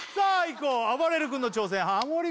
こうあばれる君の挑戦ハモリ